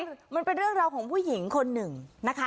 คือมันเป็นเรื่องราวของผู้หญิงคนหนึ่งนะคะ